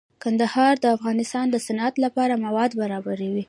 کندهار د افغانستان د صنعت لپاره مواد برابروي.